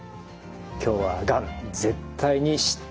今日は「がん絶対に知ってほしいこと」